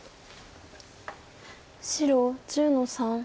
白１０の三。